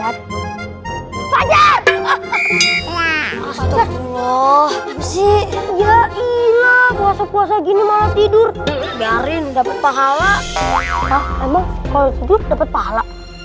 astagfirullah si iya iya kuasa kuasa gini malah tidur darin dapat pahala